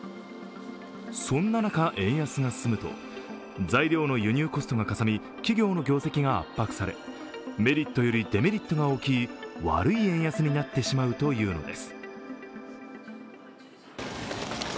そんな中、円安が進むと材料の輸入コストがかさみ企業の業績が圧迫され、メリットよりデメリットが大きい悪い円安になってしまうというのです。